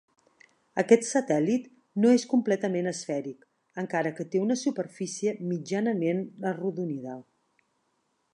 Aquest satèl·lit, no és completament esfèric, encara que té una superfície mitjanament arrodonida.